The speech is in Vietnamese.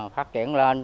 phát triển lên